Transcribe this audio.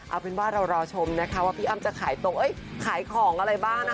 เอาเป็นว่าเรารอชมนะคะว่าพี่อ้ำจะขายตรงขายของอะไรบ้างนะคะ